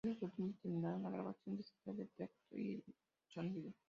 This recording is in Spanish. Estos últimos permiten la grabación digital del texto y el sonido.